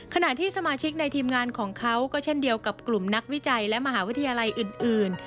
ขณะที่สมาชิกในทีมงานของเขาก็เช่นเดียวกับกลุ่มนักวิจัยและมหาวิทยาลัยอื่น